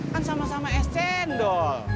kan sama sama es cendol